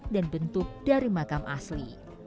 dan bentuk dari makam asli